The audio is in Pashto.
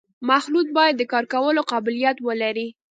مخلوط باید د کار کولو قابلیت ولري